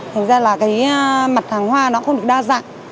thành ra là cái mặt hàng hoa nó không được đa dạng